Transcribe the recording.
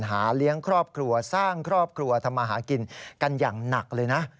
เลี้ยงครอบครัวสร้างครอบครัวทำมาหากินกันอย่างหนักเลยนะ